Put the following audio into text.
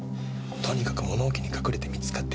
とにかく物置に隠れて見つかって逃げようとした。